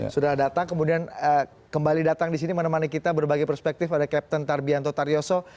sudah datang kemudian kembali datang di sini menemani kita berbagai perspektif ada captain tarbianto taryoso